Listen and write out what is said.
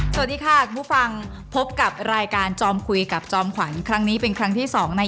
สวัสดีค่ะคุณผู้ฟังพบกับรายการจอมคุยกับจอมขวัญครั้งนี้เป็นครั้งที่สองใน